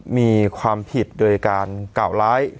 มีความผิดโดยการกล่าวร้าย